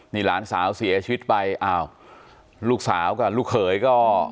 นี่หลานสาวเสียชีวิตไปอ้าวลูกสาวกับลูกเขยก็